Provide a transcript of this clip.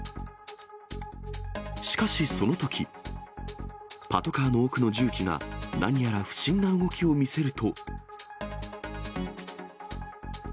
しかし、そのとき、パトカーの奥の重機が、なにやら不審な動きを見せると。